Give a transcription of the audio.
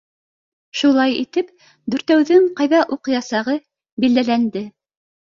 Шулай итеп, дүртәүҙең ҡайҙа уҡыясағы билдәләнде.